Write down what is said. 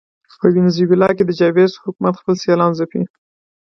په وینزویلا کې د چاوېز حکومت خپل سیالان ځپي.